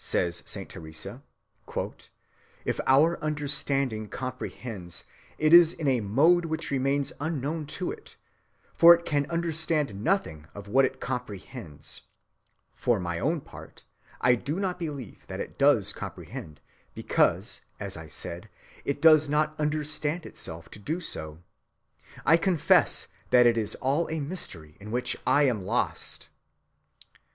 "If our understanding comprehends," says Saint Teresa, "it is in a mode which remains unknown to it, and it can understand nothing of what it comprehends. For my own part, I do not believe that it does comprehend, because, as I said, it does not understand itself to do so. I confess that it is all a mystery in which I am lost."